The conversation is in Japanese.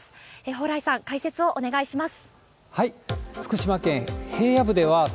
蓬莱さん、解説をお願いします。